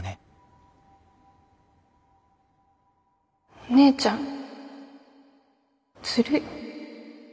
お姉ちゃんずるい。